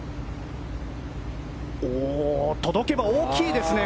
届けば大きいですね。